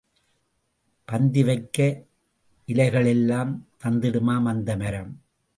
பந்திவைக்க இலைகளெலாம் தந்திடுமாம் அந்த மரம்.